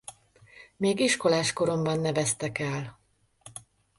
Még iskolás koromban neveztek el.